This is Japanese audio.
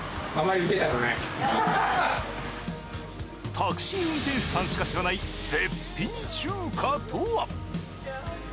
タクシー運転手さんしか知らない絶品中華とは？